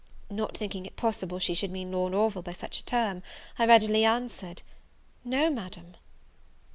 Not thinking it possible she should mean Lord Orville by such a term, I readily answered, "No, Madam."